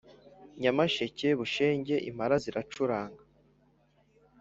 Nyamasheke Bushenge impala zirahacuranga